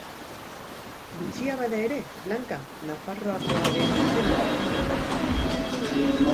Bitxia bada ere, Blanka Nafarroakoaren izena ez da agertzen.